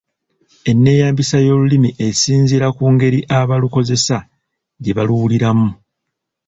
Enneeyambisa y’Olulimi esinziira ku ngeri abalukozesa gye baluwuliramu.